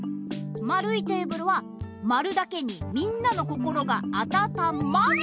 まるいテーブルはまるだけにみんなの心があたたまる！